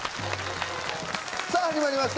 さぁ始まりました